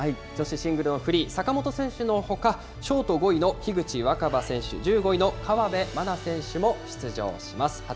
女子シングルのフリー、坂本選手のほか、ショート５位の樋口新葉選手、１５位の河辺愛菜選手も出場します。